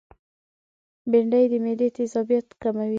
بېنډۍ د معدې تيزابیت کموي